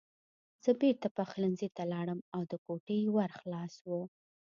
زه بېرته پخلنځي ته لاړم او د کوټې ور خلاص و